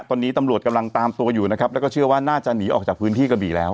ตอนนี้ตำรวจกำลังตามตัวอยู่นะครับแล้วก็เชื่อว่าน่าจะหนีออกจากพื้นที่กระบี่แล้ว